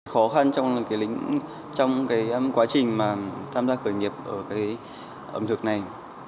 khó khăn trong quá trình tham gia khởi nghiệp ở ẩm thực này